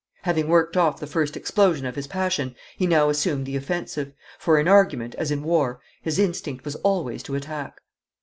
Having worked off the first explosion of his passion he now assumed the offensive, for in argument, as in war, his instinct was always to attack.